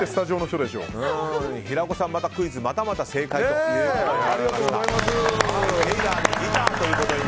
平子さん、クイズまたまた正解ということで。